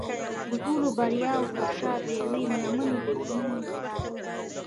د ټولو د بریاوو تر شا د یوې مېرمنې د مینې لاس و